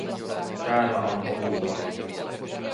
Täällä on kuuma